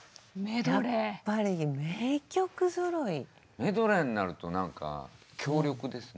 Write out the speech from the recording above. メドレーになるとなんか強力ですね。